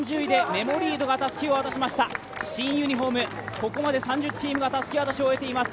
ここまで３０チームがたすき渡しを終えています。